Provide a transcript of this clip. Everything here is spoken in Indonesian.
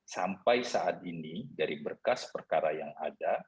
sampai saat ini dari berkas perkara yang ada